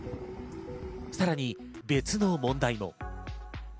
さらに別の問題も。